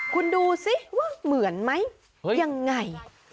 คุณดูสิว่าเหมือนไหมยังไง